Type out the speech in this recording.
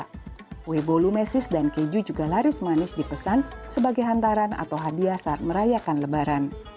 kue bolu mesis dan keju juga laris manis dipesan sebagai hantaran atau hadiah saat merayakan lebaran